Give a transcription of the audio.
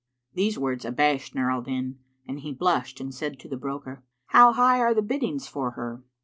'" These words abashed Nur al Din and he blushed and said to the broker, "How high are the biddings for her?"